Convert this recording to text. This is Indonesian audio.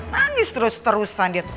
nangis terus terusan dia tuh